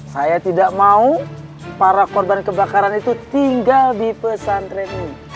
saya tidak mau para korban kebakaran itu tinggal di pesantren ini